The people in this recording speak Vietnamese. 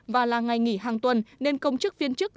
và là ngày nghỉ hàng tuần nên công chức viên chức